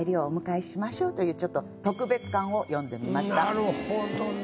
なるほどね。